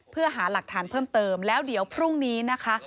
เพื่อหาหลักฐานเพิ่มเติมแล้วเดี๋ยวพรุ่งนี้นะคะ